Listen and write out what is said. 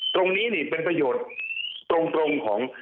ตรงนี้นี่เป็นประโยชน์ตรงของ